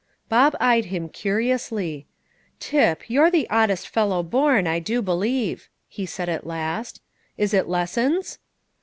Bob eyed him curiously. "Tip, you're the oddest fellow born, I do believe," he said at last "Is it lessons?"